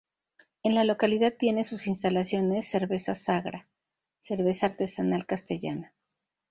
En la localidad tiene sus instalaciones Cerveza Sagra, cerveza artesanal castellana.